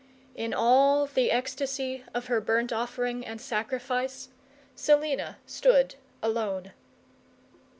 In all the ecstasy of her burnt offering and sacrifice, Selina stood alone.